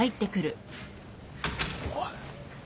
おい。